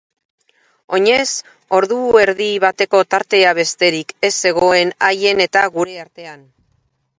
Oinez ordu erdi bateko tartea besterik ez zegoen haien eta gure artean.